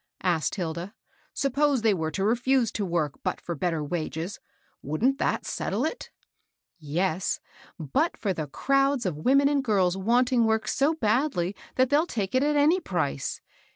asked Hilda. " Suppose they were to refuse to work but for bet ter wages, — wouldn't that settle it ?"" Yes, but for the crowds of women and ^Is wanting work so badly that they'll take it at any price.